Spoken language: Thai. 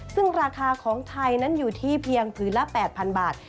ซึ่งราคาของไทยนั้นอยู่ที่เพียงผืนละ๘๐๐๐บาท